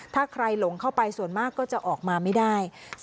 ถ้าใครหลงเข้าไปส่วนมากก็จะออกมาไม่ได้